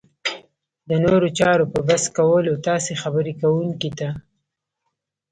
د نورو چارو په بس کولو تاسې خبرې کوونکي ته